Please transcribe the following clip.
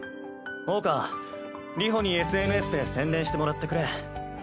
桜花流星にＳＮＳで宣伝してもらってくれ。